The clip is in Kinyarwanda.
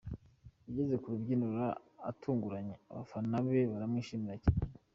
Yageze ku rubyiniro atunguranye abafana be baramwishimira cyane.